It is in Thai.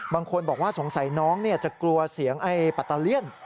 บางคนบอกว่าสงสัยน้องจะกลัวเสียงไอ้ปัตตาเลี่ยน